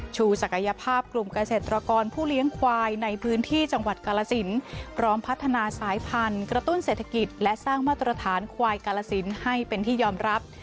ศักยภาพกลุ่มเกษตรกรผู้เลี้ยงควายในพื้นที่จังหวัดกาลสินพร้อมพัฒนาสายพันธุ์กระตุ้นเศรษฐกิจและสร้างมาตรฐานควายกาลสินให้เป็นที่ยอมรับ